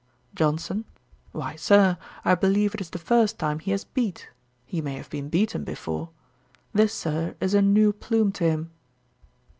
JOHNSON. 'Why, Sir, I believe it is the first time he has beat; he may have been beaten before. This, Sir, is a new plume to him.'